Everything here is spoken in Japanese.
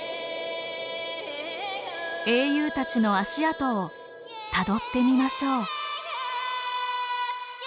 英雄たちの足跡をたどってみましょう。